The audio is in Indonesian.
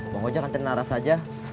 bang ojak nantain aras aja